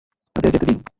তাদের যেতে দিন।